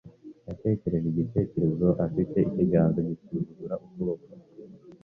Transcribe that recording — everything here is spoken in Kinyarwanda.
Yatekereje igitekerezo afite ikiganza gisuzugura ukuboko.